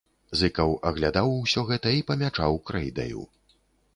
Зыкаў аглядаў усё гэта і памячаў крэйдаю.